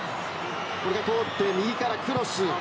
これが通って右からクロス。